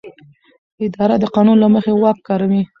اداره د قانون له مخې واک کاروي.